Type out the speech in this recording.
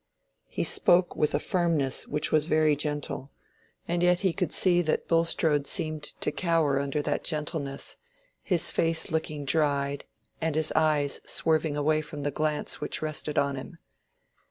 He spoke with a firmness which was very gentle, and yet he could see that Bulstrode seemed to cower under that gentleness, his face looking dried and his eyes swerving away from the glance which rested on him.